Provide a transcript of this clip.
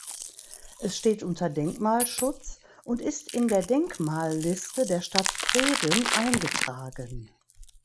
Es steht unter Denkmalschutz und ist in der Denkmalliste der Stadt Vreden eingetragen.